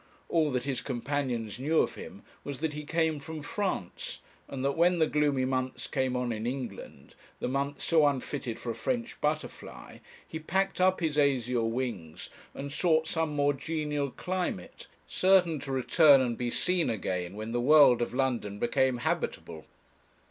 All that his companions knew of him was that he came from France, and that when the gloomy months came on in England, the months so unfitted for a French butterfly, he packed up his azure wings and sought some more genial climate, certain to return and be seen again when the world of London became habitable.